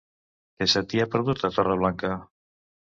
Què se t'hi ha perdut, a Torreblanca?